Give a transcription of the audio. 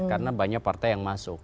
karena banyak partai yang masuk